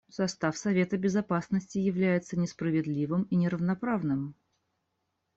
Состав Совета Безопасности является несправедливым и неравноправным.